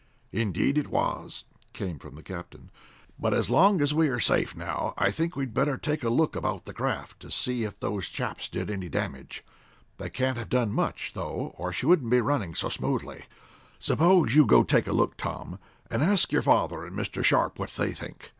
"Indeed it was," came from the captain. "But as long as we are safe now I think we'd better take a look about the craft to see if those chaps did any damage. They can't have done much, though, or she wouldn't be running so smoothly. Suppose you go take a look, Tom, and ask your father and Mr. Sharp what they think.